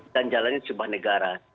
dan jalannya semua negara